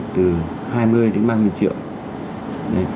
từ hai mươi đến bao nhiêu triệu